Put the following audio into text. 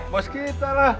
bos kita lah